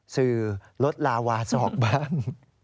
ซื้อรถลาวาสอกบ้าง